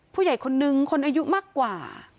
ผู้ใหญ่คนนึงคนอายุมากกว่า